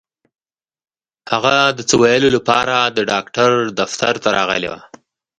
هغه د څه ويلو لپاره د ډاکټر دفتر ته راغلې وه.